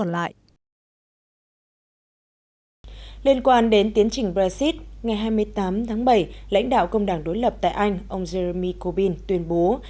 liên quan đến tiến trình brexit ngày hai mươi tám tháng bảy lãnh đạo công đảng đối lập tại anh ông jeremy corbyn tuyên bố